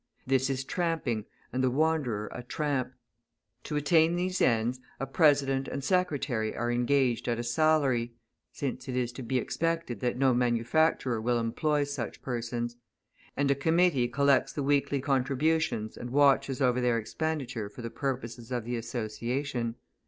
This is tramping, and the wanderer a tramp. To attain these ends, a President and Secretary are engaged at a salary (since it is to be expected that no manufacturer will employ such persons), and a committee collects the weekly contributions and watches over their expenditure for the purposes of the association.